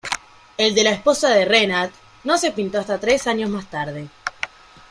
El de la esposa de Renard no se pintó hasta tres años más tarde.